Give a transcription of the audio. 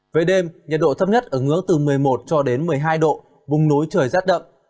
về đêm nhiệt độ thấp nhất ở ngưỡng từ một mươi một cho đến một mươi hai độ vùng núi trời rét đậm